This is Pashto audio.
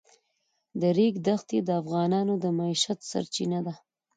د ریګ دښتې د افغانانو د معیشت سرچینه ده.